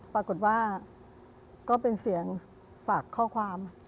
ปรากฏว่าก็เป็นเสียงฝากข้อความ